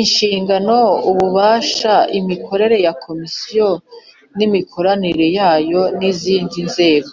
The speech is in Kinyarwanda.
Inshingano ububasha imikorere ya Komisiyo n imikoranire yayo n izindi nzego